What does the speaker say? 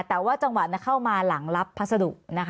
แต่ว่าจังหวะเข้ามาหลังรับพัสดุนะคะ